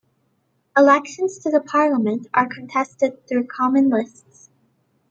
Elections to the Parliament are contested through common lists.